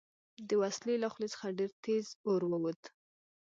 د وسلې له خولې څخه ډېر تېز اور ووت